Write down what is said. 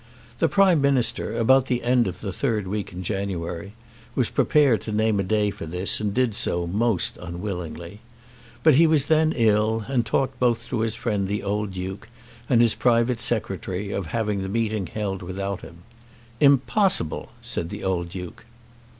The Prime Minister, about the end of the third week in January, was prepared to name a day for this, and did so, most unwillingly. But he was then ill, and talked both to his friend the old Duke and his private Secretary of having the meeting held without him. "Impossible!" said the old Duke.